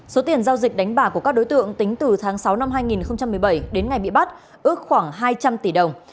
số tiền giao dịch đánh bạc của các đối tượng tính từ tháng sáu năm hai nghìn một mươi bảy đến ngày bị bắt ước khoảng hai trăm linh tỷ đồng